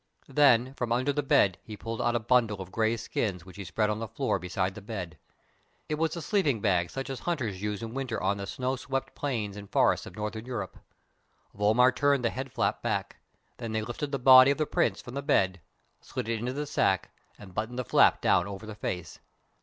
Then from under the bed he pulled out a bundle of grey skins which he spread on the floor beside the bed. It was a sleeping bag such as hunters use in winter on the snow swept plains and forests of Northern Europe. Vollmar turned the head flap back. Then they lifted the body of the Prince from the bed, slid it into the sack, and buttoned the flap down over the face.